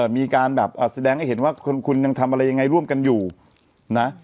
มีการแบบแสดงให้เห็นว่าคุณยังทำอะไรยังไงร่วมกันอยู่นะ